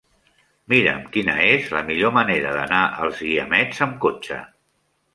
Mira'm quina és la millor manera d'anar als Guiamets amb cotxe.